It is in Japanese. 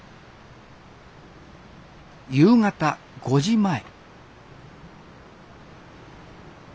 夕方５時前。